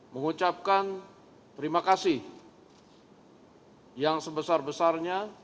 mengucapkan terima kasih yang sebesar besarnya